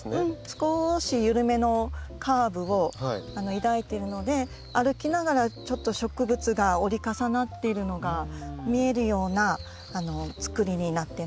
少し緩めのカーブを抱いてるので歩きながらちょっと植物が折り重なっているのが見えるようなつくりになってます。